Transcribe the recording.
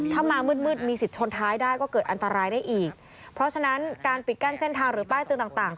ถ้ามามืดมืดมีสิทธิ์ชนท้ายได้ก็เกิดอันตรายได้อีกเพราะฉะนั้นการปิดกั้นเส้นทางหรือป้ายเตือนต่างต่าง